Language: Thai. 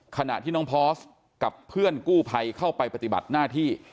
ขณะที่น้องพอสกับเพื่อนกู้ภัยเข้าไปปฏิบัติหน้าที่